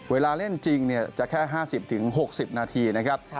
เวลาเล่นจริงจะแค่๕๐๖๐นาทีนะครับ